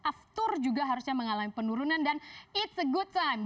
aftur juga harusnya mengalami penurunan dan it's a good time